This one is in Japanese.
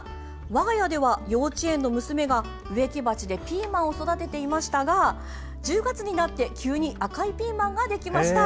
我が家では幼稚園の娘が植木鉢でピーマンを育てていましたが１０月になって急に赤いピーマンができました。